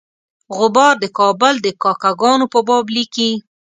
غبار د کابل د کاکه ګانو په باب لیکي.